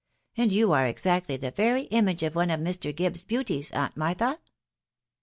and you are exactly the very image of one of Mr. Gibbs's beauties, aunt Martha."